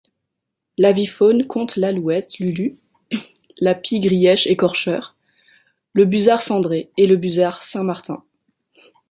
L'avifaune compte l'Alouette lulu, la Pie-grièche écorcheur, le Busard cendré et le Busard Saint-Martin.